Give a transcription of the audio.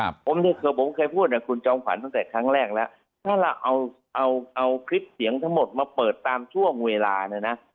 ผมเคยพูดนะคุณจองฝันตั้งแต่ครั้งแรกละถ้าเราเอาคลิปเสียงทั้งหมดมาเปิดตามช่วงเวลาเนี่ยนะ